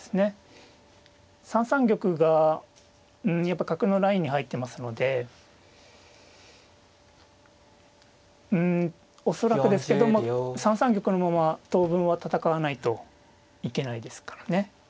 ３三玉がやっぱ角のラインに入ってますのでうん恐らくですけど３三玉のまま当分は戦わないといけないですからね。